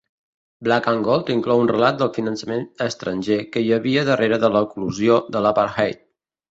Black and Gold inclou un relat del finançament estranger que hi havia darrere de l'eclosió de l'apartheid.